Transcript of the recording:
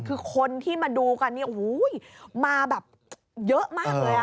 คือคนที่มาดูกันมาแบบเยอะมากเลย